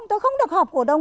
tôi không được họp cổ đông